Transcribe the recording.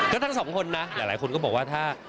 ก็ทั้งสองคนนะหลายคนก็บอกว่าถ้า